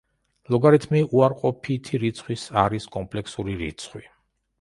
ლოგარითმი უარყოფითი რიცხვის არის კომპლექსური რიცხვი.